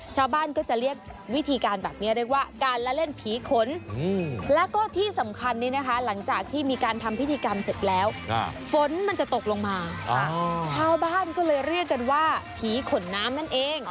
ชาวบ้านก็จะเรียกวิธีการแบบนี้เรียกว่าการละเล่นผีขนแล้วก็ที่สำคัญนี้นะคะหลังจากที่มีการทำพิธีกรรมเสร็จแล้วฝนมันจะตกลงมาชาวบ้านก็เลยเรียกกันว่าผีขนน้ำนั่นเอง